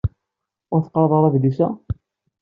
Ur teqqaṛeḍ ara adlis-a?